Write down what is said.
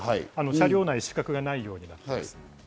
車両内に死角がないようになっています。